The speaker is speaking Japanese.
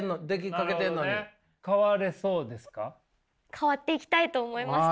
変わっていきたいと思いました。